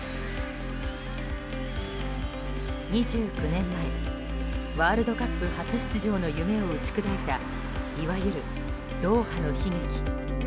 ２９年前、ワールドカップ初出場の夢を打ち砕いたいわゆるドーハの悲劇。